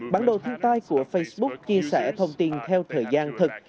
bản đồ thiên tai của facebook chia sẻ thông tin theo thời gian thực